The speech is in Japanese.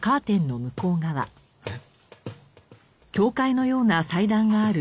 えっ？